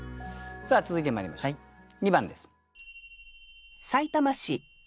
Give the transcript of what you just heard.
さあ続いてまいりましょう２番です。